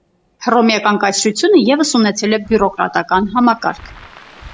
Հռոմեական կայսրությունը ևս ունեցել է բյուրոկրատական համակարգ։